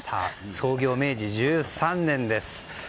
創業、明治１３年です。